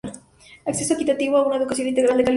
Acceso equitativo a una educación integral de calidad.